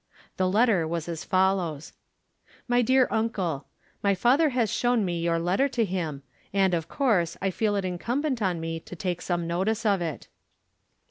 The letter was as follows: "MY DEAR UNCLE, My father has shown me your letter to him, and, of course, I feel it incumbent on me to take some notice of it.